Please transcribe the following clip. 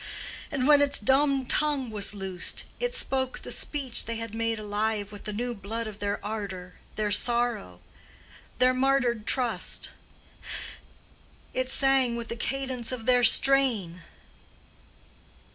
And when its dumb tongue was loosed, it spoke the speech they had made alive with the new blood of their ardor, their sorrow, and their martyred trust: it sang with the cadence of their strain."